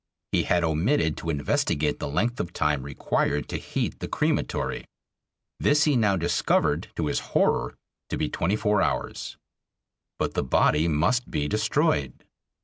He had omitted to investigate the length of time required to heat the crematory. This he now discovered to his horror to be twenty four hours. But the body must be destroyed.